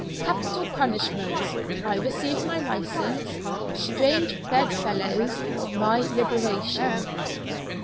CAPITAL PUNISHMENTS I RECEIVE MY LICENSE STRANGE BED FELLOWS MY LIBERATION.